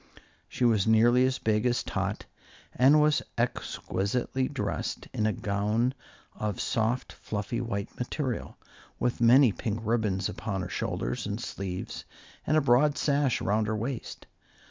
She was nearly as big as Tot, and was exquisitely dressed in a gown of soft, fluffy white material, with many pink ribbons upon her shoulders and sleeves, and a broad sash around her waist.